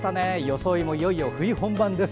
装いもいよいよ冬本番です。